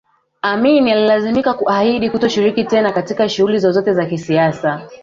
Amin alilazimika kuahidi kutoshiriki tena katika shughuli zozote za kisiasa